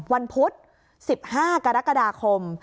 วันพุธ๑๕กรกฎาคม